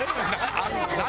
何？